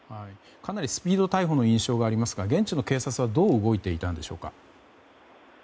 かなりスピード逮捕の印象がありますが現地の警察はどう動いていたんでしょうか。